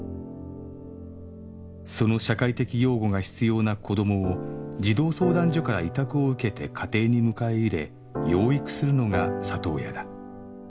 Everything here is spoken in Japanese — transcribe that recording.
その社会的養護が必要な子どもを児童相談所から委託を受けて家庭に迎え入れ養育するのが里親だ